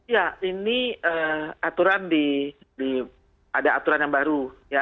ya ini aturan ada aturan yang baru